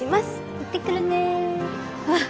行ってくるねあっ